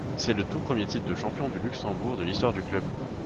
C'est le tout premier titre de champion du Luxembourg de l'histoire du club.